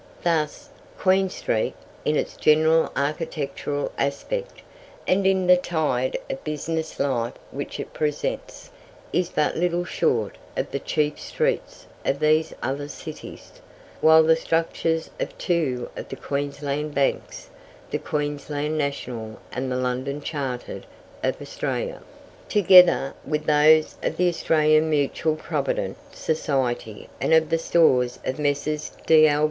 Thus Queen street, in its general architectural aspect, and in the tide of business life which it presents, is but little short of the chief streets of these other cities; while the structures of two of the Queensland Banks, the Queensland National and the London Chartered of Australia, together with those of the Australian Mutual Provident Society and of the stores of Messrs. D.L.